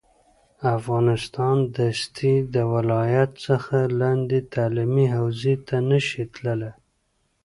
افغانستان دستي د ولایت څخه لاندې تعلیمي حوزې ته نه شي تللی